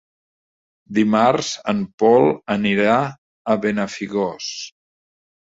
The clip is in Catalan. Dimarts en Pol anirà a Benafigos.